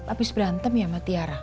abis berantem ya mbak tiara